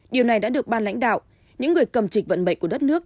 điều này đã được ban lãnh đạo những người cầm trịch vận mệnh của đất nước